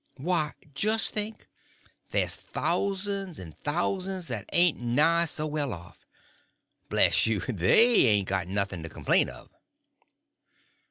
Why, jest think—there's thous'n's and thous'n's that ain't nigh so well off. Bless you, they ain't got noth'n' to complain of."